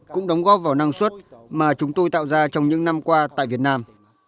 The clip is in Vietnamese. cũng đóng góp vào năng suất mà chúng tôi tạo ra trong những năm qua tại việt nam